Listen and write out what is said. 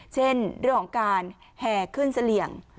เช่นเรื่องของการแห่ขึ้นเสลี่ยง